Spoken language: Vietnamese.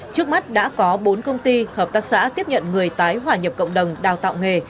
trước mắt đã có bốn công ty hợp tác xã tiếp nhận người tái hòa nhập cộng đồng đào tạo nghề